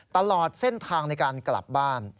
ตลอดเส้นทางในการกลับบ้าน